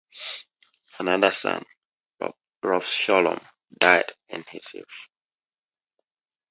Another son, Reb Sholom, died in his youth.